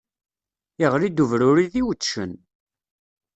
Iɣli-d ubruri d iwedcen!